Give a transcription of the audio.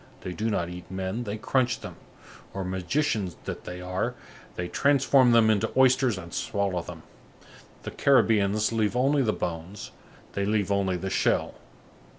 They do not eat men, they crunch them; or, magicians that they are, they transform them into oysters and swallow them. The Caribbeans leave only the bones, they leave only the shell.